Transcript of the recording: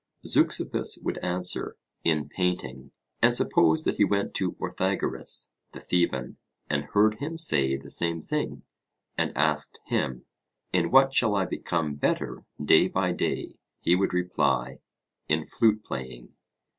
Zeuxippus would answer, 'In painting.' And suppose that he went to Orthagoras the Theban, and heard him say the same thing, and asked him, 'In what shall I become better day by day?' he would reply, 'In flute playing.'